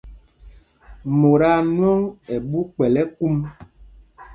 Mot aa nwɔŋ ɛ ɓu kpɛl ɛkúm.